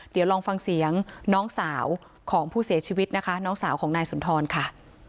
เดี๋ยวลองฟังเสียงน้องสาวของผู้เสียชีวิตนะคะน้องสาวของนายสุนทรค่ะ